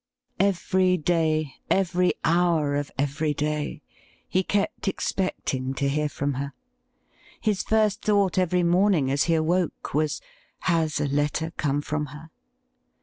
Every day, every hour of every day, he kept expecting to hear from her. His first thought every morning as he awoke was :' Has a letter come from her